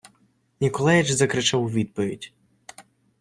Ніколаіч закричав у відповідь.